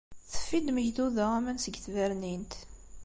Teffi-d Megduda aman seg tbernint.